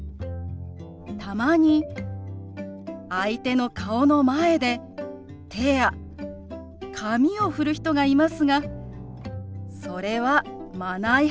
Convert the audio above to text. たまに相手の顔の前で手や紙をふる人がいますがそれはマナー違反ですよ。